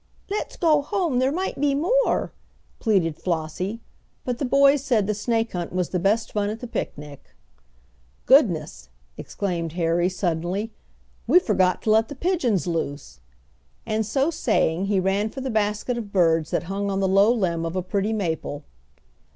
"Let's go home; there might be more!", pleaded Flossie, but the boys said the snake hunt was the best fun at the picnic. "Goodness!" exclaimed Harry suddenly, "we forgot to let the pigeons loose!" and so saying he ran for the basket of birds that hung on the low limb of a pretty maple.